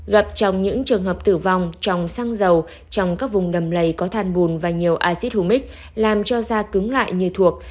gặp trong những trường hợp tử vong trong xăng dầu trong các vùng đầm lầy có than bùn và nhiều acid humic làm cho da cứng lại như thuộc